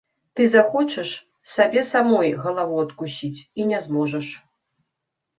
Ты захочаш сабе самой галаву адкусіць і не зможаш.